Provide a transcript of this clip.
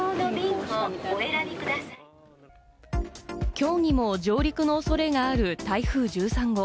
きょうにも上陸のおそれがある台風１３号。